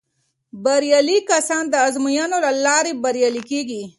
بریالي کسان د ازموینو له لارې بریالي کیږي.